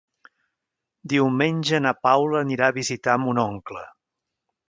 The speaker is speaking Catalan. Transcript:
Diumenge na Paula anirà a visitar mon oncle.